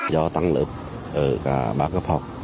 do tăng lớp ở cả ba cấp học